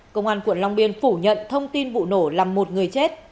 công an quận long biên phủ nhận thông tin vụ nổ làm một người chết